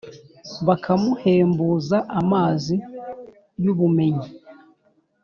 bakamuhembuza amazi y’ubumenyi